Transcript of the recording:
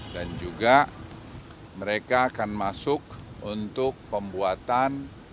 dan juga mereka akan masuk untuk pembuatan